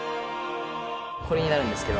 これになるんですけど。